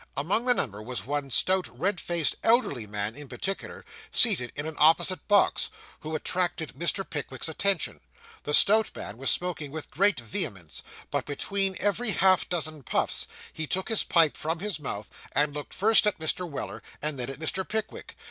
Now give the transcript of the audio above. Among the number was one stout, red faced, elderly man, in particular, seated in an opposite box, who attracted Mr. Pickwick's attention. The stout man was smoking with great vehemence, but between every half dozen puffs, he took his pipe from his mouth, and looked first at Mr. Weller and then at Mr. Pickwick.